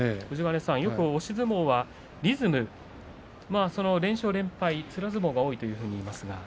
よく押し相撲はリズム、連勝連敗つら相撲が多いといいます。